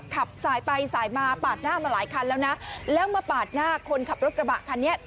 ขับสายไปสายมาปาดหน้ามาหลายคันแล้วนะแล้วมาปาดหน้าคนขับรถกระบะคันนี้